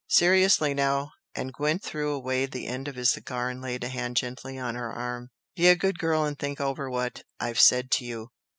Seriously now," and Gwent threw away the end of his cigar and laid a hand gently on her arm "be a good girl and think over what I've said to you.